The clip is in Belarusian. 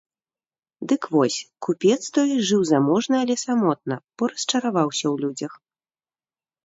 Дык вось, купец той жыў заможна, але самотна, бо расчараваўся ў людзях.